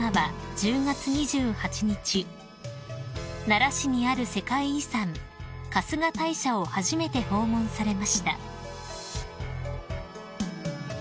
奈良市にある世界遺産春日大社を初めて訪問されました］